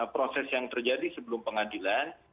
proses yang terjadi sebelum pengadilan